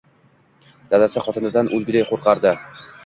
Dadasi xotinidan o‘lguday qo‘rqardi